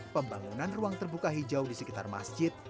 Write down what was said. pembangunan ruang terbuka hijau di sekitar masjid